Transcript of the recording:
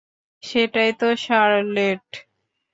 সেটাই তো, শার্লেট?